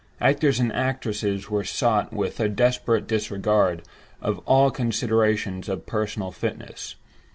Actors and actresses were sought with a desperate disregard of all considerations of personal fitness.